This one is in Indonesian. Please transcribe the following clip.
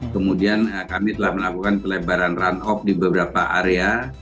kemudian kami telah melakukan pelebaran run off di beberapa area